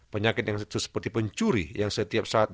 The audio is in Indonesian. penyakit yang seperti pencuri yang setiap saat